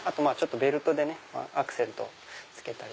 ベルトでアクセントをつけたり。